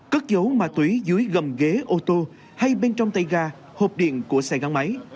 cất dấu ma túy dưới gầm ghế ô tô hay bên trong tay ga hộp điện của xe gắn máy